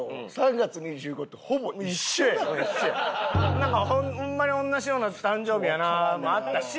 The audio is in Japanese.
なんか「ホンマに同じような誕生日やな」もあったし。